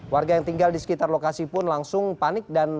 warga yang tinggal di sekitar lokasi pun langsung panik dan